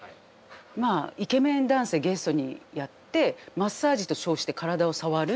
まあイケメン男性ゲストにやってマッサージと称して体を触る。